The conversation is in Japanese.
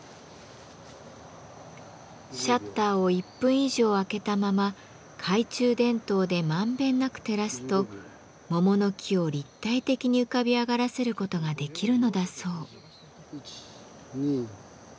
シャッターを１分以上あけたまま懐中電灯でまんべんなく照らすと桃の木を立体的に浮かび上がらせることができるのだそう。